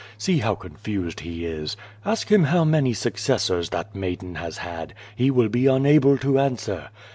See how confused he is. Ask him how many successors that maiden has had. He will be unable to answer.